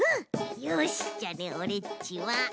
よしじゃあねオレっちはこのいろで。